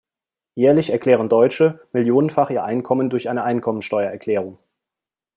Jährlich erklären Deutsche millionenfach ihr Einkommen durch eine Einkommensteuererklärung.